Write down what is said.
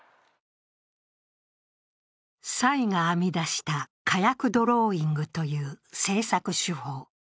蔡が編み出した火薬ドローイングという制作手法。